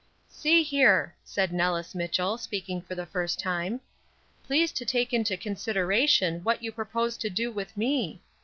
"See here," said Nellis Mitchell, speaking for the first time. "Please to take into consideration what you propose to do with me?